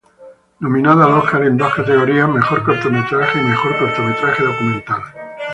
Nominada al Oscar en dos categorías, mejor cortometraje y mejor cortometraje documental.